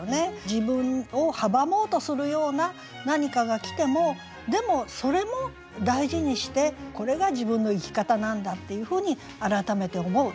自分を阻もうとするような何かが来てもでもそれも大事にしてこれが自分の生き方なんだっていうふうに改めて思う。